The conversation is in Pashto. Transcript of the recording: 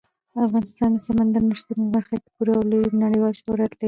افغانستان د سمندر نه شتون په برخه کې پوره او لوی نړیوال شهرت لري.